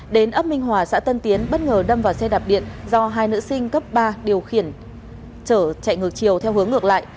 đến ấp minh hòa xã tân tiến bất ngờ đâm vào xe đạp điện do hai nữ sinh cấp ba điều khiển chở chạy ngược chiều theo hướng ngược lại